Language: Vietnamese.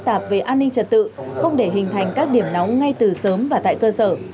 tạp về an ninh trật tự không để hình thành các điểm nóng ngay từ sớm và tại cơ sở